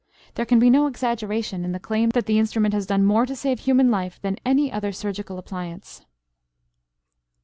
There can be no exaggeration in the claim that the instrument has done more to save human life than any other surgical appliance.